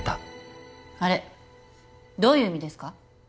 あれどういう意味ですか？